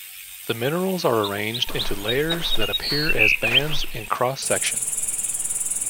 The minerals are arranged into layers that appear as bands in cross section.